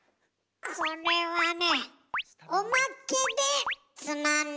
これはねえ！